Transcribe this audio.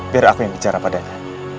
biar aku yang bicara padanya